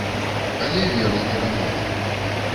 Але веру ў перамогу.